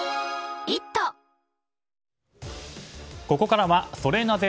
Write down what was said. ここからはソレなぜ？